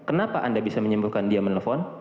kenapa anda bisa menyembuhkan dia menelpon